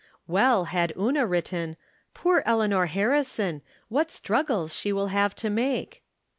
Well had Una written, " Poor Eleanor Harri son ! What struggles she will have to make